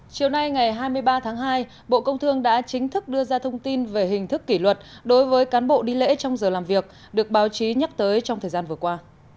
chiều nay ngày hai mươi ba tháng hai bộ công thương đã chính thức đưa ra thông tin về hình thức kỷ luật đối với cán bộ đi lễ trong giờ làm việc được báo chí nhắc tới trong thời gian vừa qua